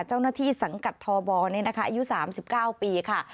เจ้าหน้าที่สังกัดทบนี้นะคะอายุ๓๙ปีค่ะ